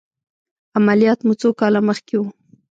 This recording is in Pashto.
عملیات مو څو کاله مخکې و؟